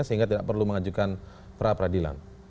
sehingga tidak perlu mengajukan pra peradilan